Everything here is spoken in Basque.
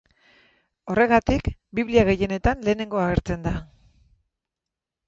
Horregatik Biblia gehienetan lehenengo agertzen da.